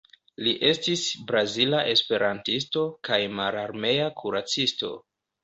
Li estis brazila esperantisto kaj mararmea kuracisto.